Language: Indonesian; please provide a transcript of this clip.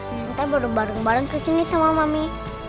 kita baru bareng bareng kesini sama mami